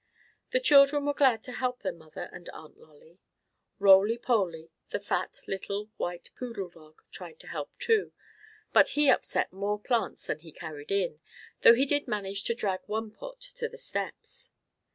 The children were glad to help their mother and Aunt Lolly. Roly Poly, the fat little white poodle dog, tried to help, too, but he upset more plants than he carried in, though he did manage to drag one pot to the steps.